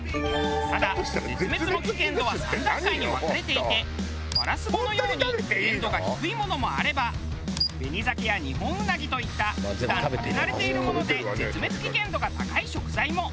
ただ絶滅の危険度は３段階に分かれていてワラスボのように危険度が低いものもあればベニザケやニホンウナギといった普段食べ慣れているもので絶滅危険度が高い食材も。